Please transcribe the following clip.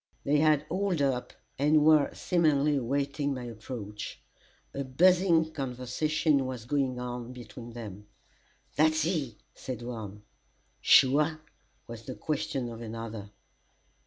They had hauled up, and were seemingly awaiting my approach. A buzzing conversation was going on among them. "That's he!" said one. "Sure?" was the question of another.